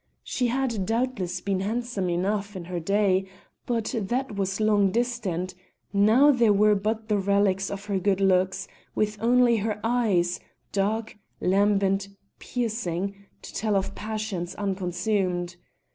She had doubtless been handsome enough in her day, but that was long distant; now there were but the relics of her good looks, with only her eyes, dark, lambent, piercing, to tell of passions unconsumed.